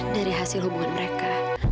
dari hasil hubungan mereka